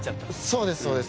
そうですそうです。